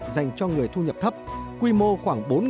dành cho người dân người dân người dân người dân